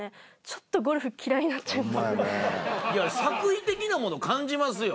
いやあれ作為的なもの感じますよ